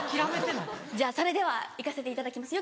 じゃあそれでは行かせていただきます。